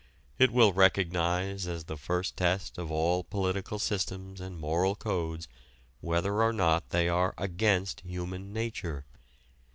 It will recognize as the first test of all political systems and moral codes whether or not they are "against human nature."